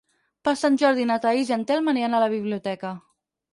Per Sant Jordi na Thaís i en Telm aniran a la biblioteca.